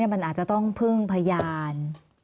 มันอาจจะต้องพึ่งพยาน